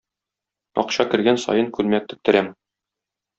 Акча кергән саен күлмәк тектерәм.